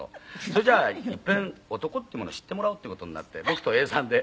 「それじゃあいっぺん男っていうものを知ってもらおうっていう事になって僕と永さんで」